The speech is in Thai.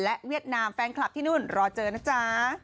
และเวียดนามแฟนคลับที่นู่นรอเจอนะจ๊ะ